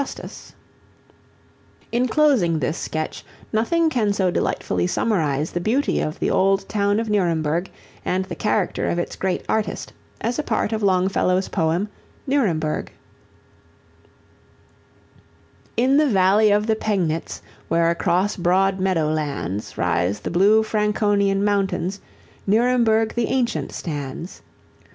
[Illustration: STATUE OF ALBRECHT DURER, NUREMBERG] In closing this sketch, nothing can so delightfully summarize the beauty of the old town of Nuremberg and the character of its great artist as a part of Longfellow's poem, Nuremberg:[A] In the valley of the Pegnitz, where across broad meadow lands, Rise the blue Franconian mountains, Nuremberg the ancient stands.